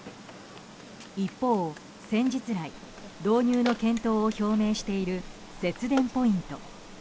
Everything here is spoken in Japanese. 一方、先日来導入の検討を表明している節電ポイント。